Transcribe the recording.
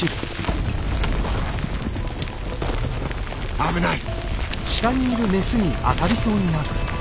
危ない！